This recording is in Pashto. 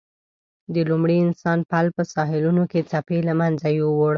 د لومړي انسان پل په ساحلونو کې څپې له منځه یووړ.